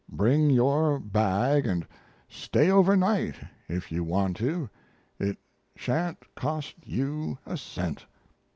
Bring your bag and stay overnight if you want to. It sha'n't cost you a cent!"